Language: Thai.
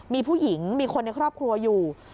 มีผู้หญิงมีคนในครอบครัวอยู่